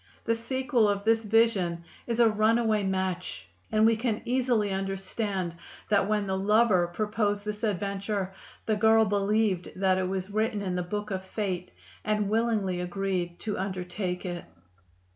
The sequel of this vision is a runaway match, and we can easily understand that when the lover proposed this adventure, the girl believed that it was written in the book of fate and willingly agreed to undertake it.